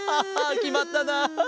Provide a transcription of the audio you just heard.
きまったなあ！